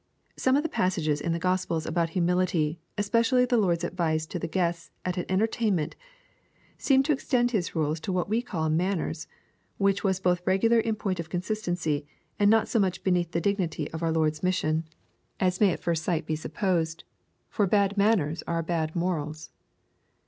"Some of the passages in the Qt>spels about humility, especially the Lord's advice to the guests at an entertainment, seem to extend His rules to what we call mannert, which was both regular in point of consistency, ftnd not so much beneath the dignity of our Lord's mission, aa LUKE, CHAP. XIV, 157 may at first siglit be supposed ; for bad manners are bad morals.'